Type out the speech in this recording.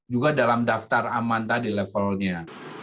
juga dalam daftar aman tadi levelnya